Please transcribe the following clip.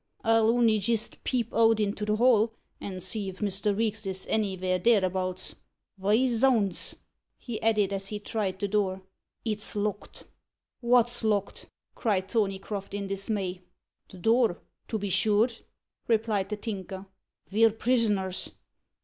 I'll only jist peep out into the hall, and see if Mr. Reeks is anyvhere thereabouts. Vy, zounds!" he added, as he tried the door, "it's locked!" "What's locked?" cried Thorneycroft in dismay. "The door, to be sure," replied the Tinker. "Ve're prisoners."